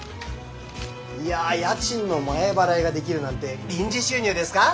いや家賃の前払いができるなんて臨時収入ですか？